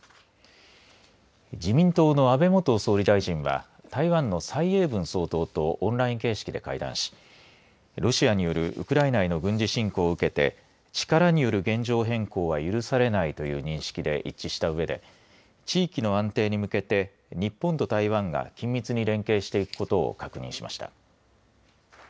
自民党の安倍元総理大臣は台湾の蔡英文総統とオンライン形式で会談しロシアによるウクライナへの軍事侵攻を受けて力による現状変更は許されないという認識で一致したうえで地域の安定に向けて日本と台湾が緊密に連携していくことを確認しました。